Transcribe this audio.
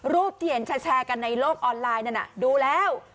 รูปที่เห็นแชร์กันในโลกออนไลน์นั่นน่ะดูแล้ว